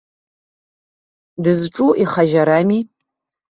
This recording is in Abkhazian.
Дызҿу ихы ажьарами.